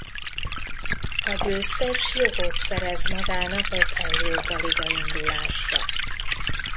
A győztes jogot szerez magának az Európa-liga-indulásra.